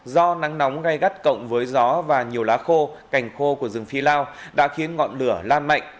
do nắng nóng gai gắt cộng với gió và nhiều lá khô cành khô của rừng phi lao đã khiến ngọn lửa lan mạnh